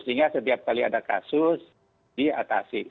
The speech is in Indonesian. sehingga setiap kali ada kasus diatasi